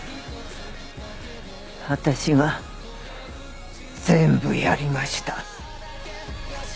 私が全部やりました。